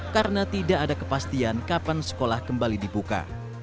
karena tidak ada kepastian kapan sekolah kembali dibuka